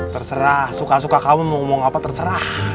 terserah suka suka kamu mau ngomong apa terserah